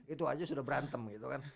itu aja sudah berantem gitu kan